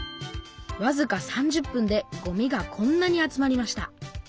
わずか３０分でごみがこんなに集まりました。